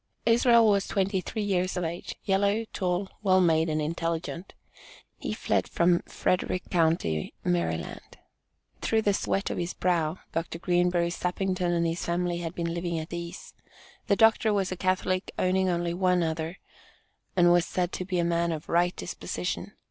Israel was twenty three years of age, yellow, tall, well made and intelligent. He fled from Frederick county, Md. Through the sweat of his brow, Dr. Greenberry Sappington and his family had been living at ease. The doctor was a Catholic, owning only one other, and was said to be a man of "right disposition."